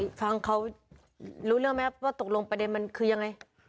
พี่หุยฟังเขารู้เรื่องมั้ยตกลงประเด็นมันคือยังไง